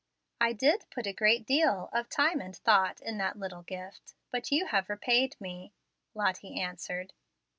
"I did put a great deal of time and thought in that little gift, but you have repaid me," Lottie answered.